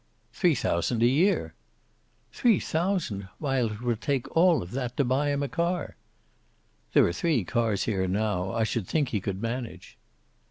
"Three thousand a year." "Three thousand! Why, it will take all of that to buy him a car." "There are three cars here now; I should think he could manage."